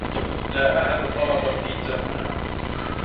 لا أحد طلب بيتزا هنا.